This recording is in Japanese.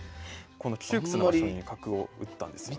この窮屈な場所に角を打ったんですよね。